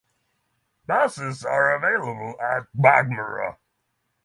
Buses are available at Baghmara.